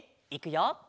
いくよ。